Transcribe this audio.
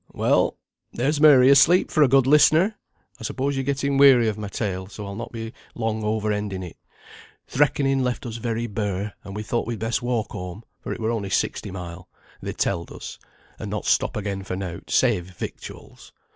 "Well! (there's Mary asleep for a good listener!) I suppose you're getting weary of my tale, so I'll not be long over ending it. Th' reckoning left us very bare, and we thought we'd best walk home, for it were only sixty mile, they telled us, and not stop again for nought, save victuals.